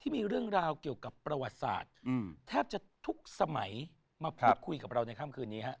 มีเรื่องราวเกี่ยวกับประวัติศาสตร์แทบจะทุกสมัยมาพูดคุยกับเราในค่ำคืนนี้ฮะ